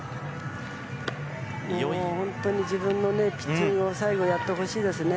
本当に自分のピッチングを最後やってほしいですね。